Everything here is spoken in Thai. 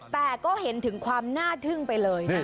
แต่ก็เห็นถึงความน่าทึ่งไปเลยนะ